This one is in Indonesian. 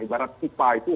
ibarat tipa itu